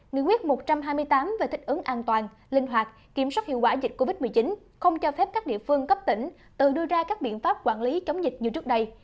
nghị quyết một trăm hai mươi tám về thích ứng an toàn linh hoạt kiểm soát hiệu quả dịch covid một mươi chín không cho phép các địa phương cấp tỉnh tự đưa ra các biện pháp quản lý chống dịch như trước đây